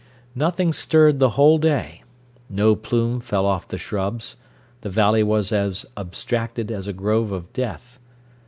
Nothing stirred the whole day no plume fell off the shrubs, the valley was as abstracted as a grove of death.